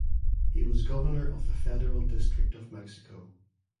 He was governor of the Federal District of Mexico.